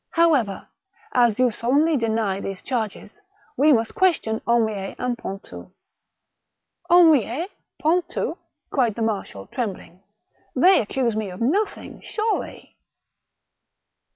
''However, as you solemnly deny these charges, we must question Henriet and Pontou." *' Henriet, Pontou !" cried the marshal, trembling ;" they accuse me of nothing, surely